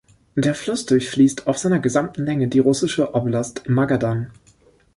Der Fluss durchfließt auf seiner gesamten Länge die russische Oblast Magadan.